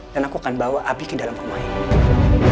dan aku akan bawa abi ke dalam rumah ini